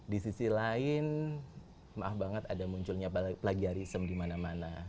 di sisi lain maaf banget ada munculnya plagiarism di mana mana